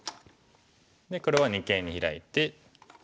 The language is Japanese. で黒は二間にヒラいて。